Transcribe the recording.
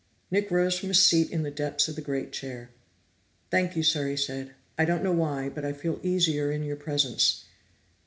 Nick rose from his seat in the depths of the great chair. "Thank you, sir," he said. "I don't know why, but I feel easier in your presence.